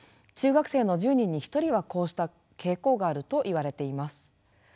中学生の１０人に１人はこうした傾向があるといわれています。